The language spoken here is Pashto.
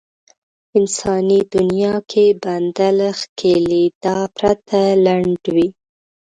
انساني دنيا کې بنده له ښکېلېدا پرته لنډوي.